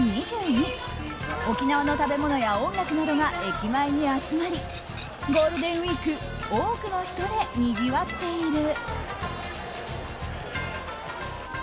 沖縄の食べ物や音楽などが駅前に集まりゴールデンウィーク多くの人でにぎわっている。